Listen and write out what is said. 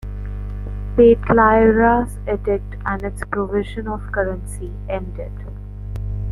Petlyura's edict and its provision of currency ended.